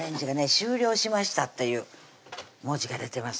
「終了しました」っていう文字が出てます